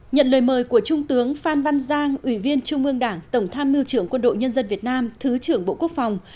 nhận lời mời của trung tướng phan văn giang ủy viên trung ương đảng tổng tham mưu trưởng quân đội nhân dân việt nam thứ trưởng bộ quốc phòng